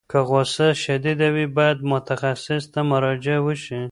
که غوسه شدید وي، باید متخصص ته مراجعه وشي.